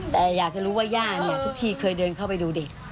แต่อยากจะรู้ว่าย่าเนี่ยทุกทีเคยเดินเข้าไปดูเด็ก